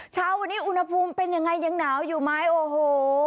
เช้าวันนี้อุณหภูมิเป็นยังไงยังหนาวอยู่ไหมโอ้โห